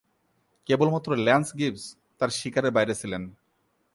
কেবলমাত্র Lance Gibbs তার শিকারের বাইরে ছিলেন।